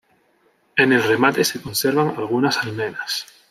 En el remate se conservan algunas almenas.